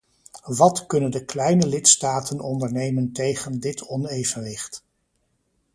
Wat kunnen de kleine lidstaten ondernemen tegen dit onevenwicht?